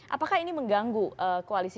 apakah ini mengganggu koalisi